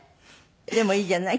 でもいいじゃない？